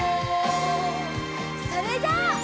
それじゃあ。